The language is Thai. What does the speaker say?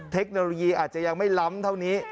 เทคโนโลยีอาจจะยังไม่ล้ำเท่านี้